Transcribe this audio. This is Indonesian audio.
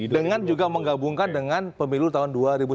dengan juga menggabungkan dengan pemilu tahun dua ribu sembilan belas